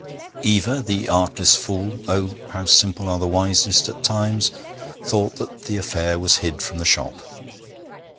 Eva, the artless fool oh, how simple are the wisest at times! thought that the affair was hid from the shop.